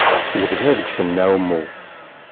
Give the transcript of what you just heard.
Yebda deg-sen aɛummu.